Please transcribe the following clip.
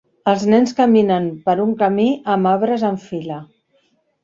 Els nens caminen per un camí amb arbres en fila.